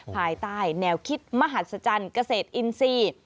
ภายใต้แนวคิดมหัศจรรย์เกษตรอินทรีย์